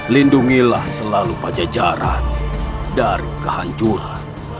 lindungilah selalu pajajaran dari kehancuran